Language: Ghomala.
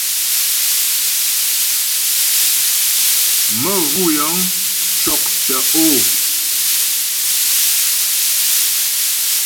Məvʉ́ yə̂ŋ cɔ́k tə̀'ó.